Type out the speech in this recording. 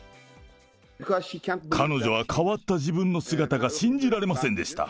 彼女は変わった自分の姿が信じられませんでした。